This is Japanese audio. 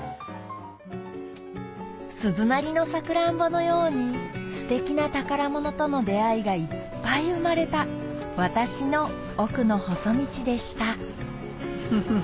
鈴なりのサクランボのようにステキな宝物との出合いがいっぱい生まれた私の奥の細道でしたフフフ。